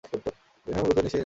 এখানে মূলত নিশি জনজাতির বসবাস।